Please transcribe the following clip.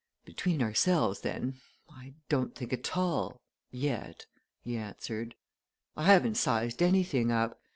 "Between ourselves, then, I don't think at all yet," he answered. "I haven't sized anything up.